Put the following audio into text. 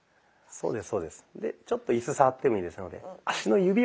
そうです。